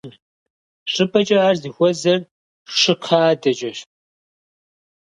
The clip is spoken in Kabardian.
Щӏыпӏэкӏэ ар зыхуэзэр «Шыкхъэ» адэкӏэщ.